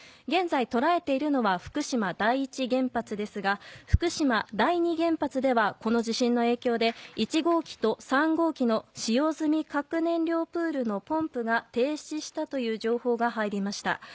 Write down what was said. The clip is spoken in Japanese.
現在、捉えているのは福島第一原発ですが福島第二原発ではこの地震の影響で１号機と３号機の使用済み核燃料プールのポンプが停止したという情報が入りました。